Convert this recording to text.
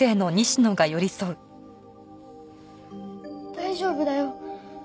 大丈夫だよ。